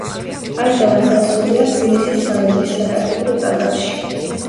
ამჟამად დაცულია თბილისის სამების საკათედრო ტაძარში.